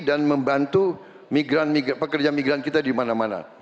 dan membantu pekerja migran kita dimana mana